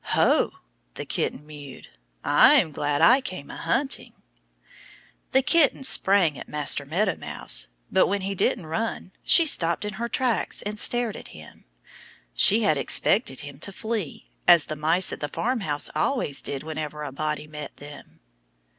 "Ho!" the kitten mewed. "I'm glad I came a hunting." The kitten sprang at Master Meadow Mouse. But when he didn't run she stopped in her tracks and stared at him. She had expected him to flee, as the mice at the farmhouse always did whenever a body met them.